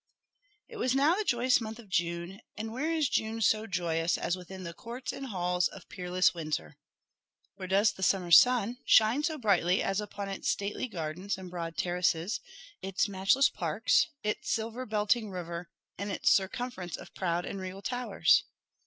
IT was now the joyous month of June; and where is June so joyous as within the courts and halls of peerless Windsor? Where does the summer sun shine so brightly as upon its stately gardens and broad terraces, its matchless parks, its silver belting river and its circumference of proud and regal towers?